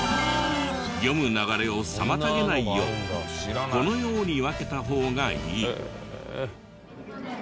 読む流れを妨げないようこのように分けた方がいい。